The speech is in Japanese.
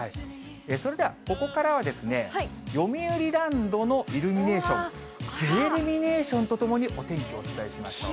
それではここからは、よみうりランドのイルミネーション、ジュエルミネーションとともにお天気をお伝えしましょう。